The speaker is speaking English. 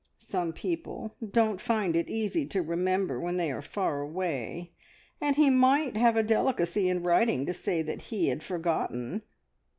Some people don't find it easy to remember when they are far away, and he might have a delicacy in writing to say that he had forgotten!